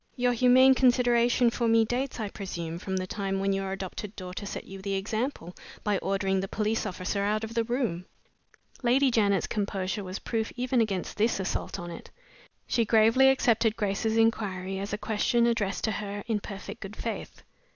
Your humane consideration for me dates, I presume, from the time when your adopted daughter set you the example, by ordering the police officer out of the room?" Lady Janet's composure was proof even against this assault on it. She gravely accepted Grace's inquiry as a question addressed to her in perfect good faith.